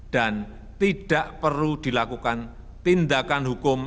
dan tidak perlu dilakukan tindakan hukum